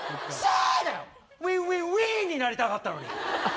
ウィーンになりたかったのに。